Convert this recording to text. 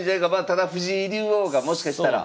ただ藤井竜王がもしかしたら。